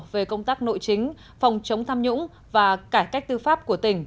về công tác nội chính phòng chống tham nhũng và cải cách tư pháp của tỉnh